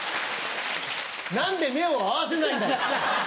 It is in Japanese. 何で目を合わせないんだよ！